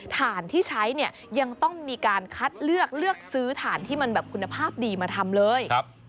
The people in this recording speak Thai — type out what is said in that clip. ฐานที่ใช้เนี่ยยังต้องมีการคัดเลือกเลือกซื้อฐานที่มันแบบคุณภาพดีมาทำเลย